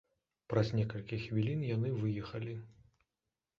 Праз некалькі хвілін яны выехалі.